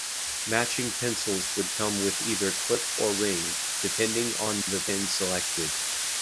Matching pencils would come with either clip or ring, depending on the pen selected.